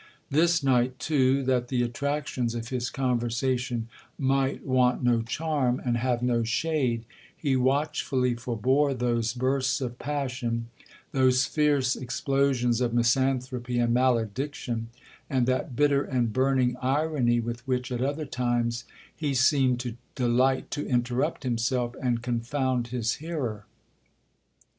This night, too, that the attractions of his conversation might want no charm, and have no shade, he watchfully forbore those bursts of passion,—those fierce explosions of misanthropy and malediction, and that bitter and burning irony with which, at other times, he seemed to delight to interrupt himself and confound his hearer.